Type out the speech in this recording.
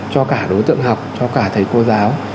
cho cả đối tượng học cho cả thầy cô giáo